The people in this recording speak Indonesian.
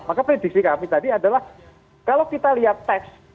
maka prediksi kami tadi adalah kalau kita lihat teks